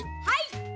はい！